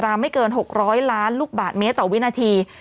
ไม่เกิน๖๐๐ล้านลูกบาทเมตรต่อวินาที